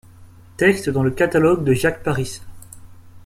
Textes dans le catalogue de Jacques Parisse.